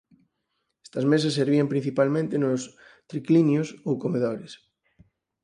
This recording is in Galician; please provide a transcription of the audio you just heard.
Estas mesas servían principalmente nos "triclinios" ou comedores.